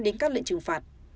đến các lệnh trừng phạt